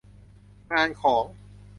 งานของ